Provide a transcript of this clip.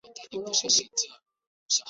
由佐佐木英明主演。